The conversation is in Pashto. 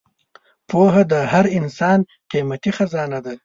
پوهه د هر انسان قیمتي خزانه ده.